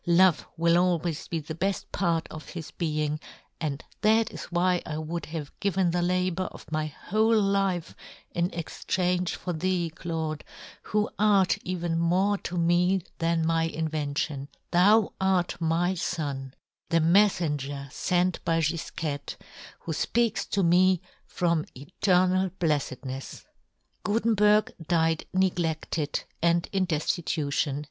Love will always be " the beft part of his being, and that " is why I would have given the " labour of my whole life in ex " change for thee, Claude, who art " even more to me than my inven " tion ; thou art my fon, the mef " fenger fent by Gifquette, who " fpeaks to me from eternal blefTed " nefs !" Gutenberg died negledted and in deftitution.